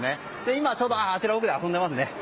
今、ちょうど奥で遊んでいますね。